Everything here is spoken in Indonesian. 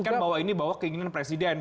dipersensikan bahwa ini keinginan presiden